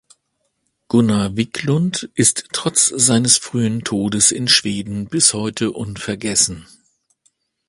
Gunnar Wiklund ist trotz seines frühen Todes in Schweden bis heute unvergessen.